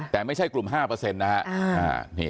แต่ไม่ใช่กลุ่ม๕นะฮะ